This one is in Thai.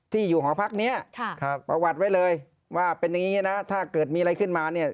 ที่อยู่หอพักนี้ประวัติไว้เลยว่าเป็นอย่างนี้นะถ้าเกิดมีอะไรขึ้นมาเนี่ย